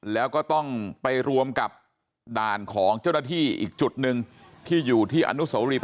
คือพอมาตรงจุดนี้เนี่ย